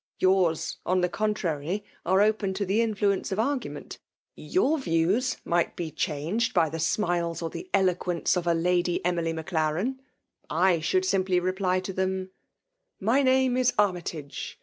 Yours, on the contrary, are open to tlie influence of argument. Your views might 4 be changed by the smiles or the eloquence of a Lady Emily Maclaren— >I should simply re ply to them, — My name is Annytage